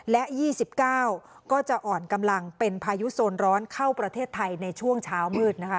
และ๒๙ก็จะอ่อนกำลังเป็นพายุโซนร้อนเข้าประเทศไทยในช่วงเช้ามืดนะคะ